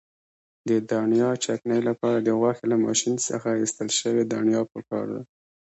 د دڼیا چکنۍ لپاره د غوښې له ماشین څخه ایستل شوې دڼیا پکار ده.